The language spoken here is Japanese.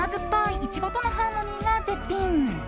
イチゴとのハーモニーが絶品！